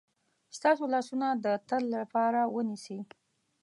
ستاسو لاسونه د تل لپاره ونیسي.